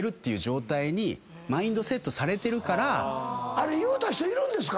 あれ言うた人いるんですか